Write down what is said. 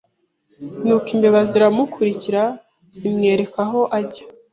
Nuko imbeba ziramukurikira zimwereka aho ajya